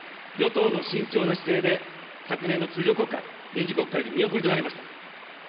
与党の慎重な姿勢で、昨年の通常国会、臨時国会で見送りとなりました。